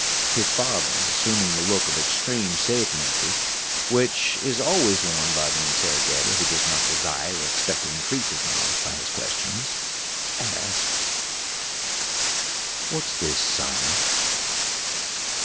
His father, assuming the look of extreme sapiency, which is always worn by the interrogator who does not desire or expect to increase his knowledge by his questions, asked: "What's this, Simon?"